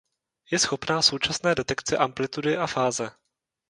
Je schopná současné detekce amplitudy a fáze.